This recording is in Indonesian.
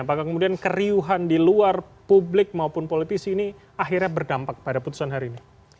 apakah kemudian keriuhan di luar publik maupun politisi ini akhirnya berdampak pada putusan hari ini